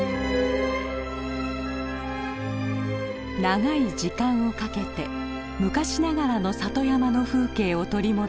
長い時間をかけて昔ながらの里山の風景を取り戻した黒川温泉。